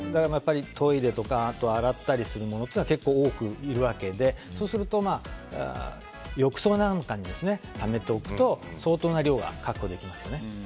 トイレとか洗ったりするものというのは結構、多くいるわけでそうすると浴槽なんかにためておくと、相当な量が確保できますよね。